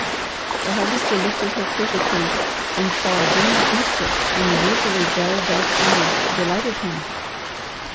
The Harvester looked at her quizzically and saw a gleam of mischief in the usually dull dark eyes that delighted him.